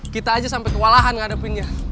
kita aja sampai kewalahan ngadepinnya